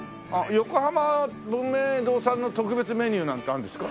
横濱文明堂さんの特別メニューなんてあるんですか？